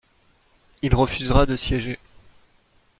Il refusera de siéger.